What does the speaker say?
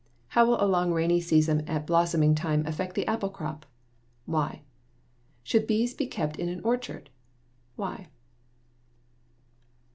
How will a long rainy season at blossoming time affect the apple crop? Why? Should bees be kept in an orchard? Why?